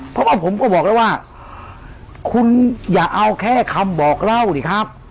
เพราะว่าผมก็บอกแล้วว่าคุณอย่าเอาแค่คำบอกเล่าสิครับ